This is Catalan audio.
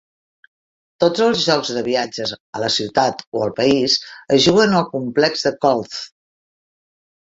Tots els jocs de viatges a la ciutat o al país es juguen al complex de Kolz.